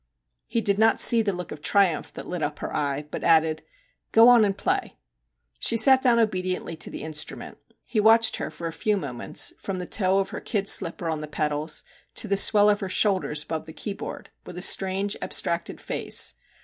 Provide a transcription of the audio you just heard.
He did not see the look of triumph that lit up her eye, but added, * Go on and play/ She sat down obediently to the instrument. He watched her for a few moments, from the toe of her kid slipper on the pedals to the swell of her shoulders above the keyboard, with a strange abstracted face.